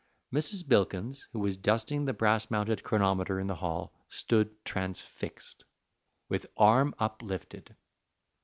Mrs. Bilkins, who was dusting the brass mounted chronometer in the hall, stood transfixed, with arm uplifted.